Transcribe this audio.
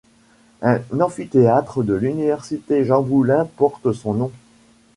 Un amphitheatre de l'Université Jean Moulin porte son nom.